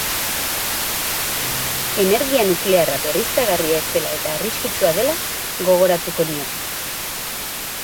Energia nuklearra berriztagarria ez dela eta arriskutsua dela gogoratuko nioke.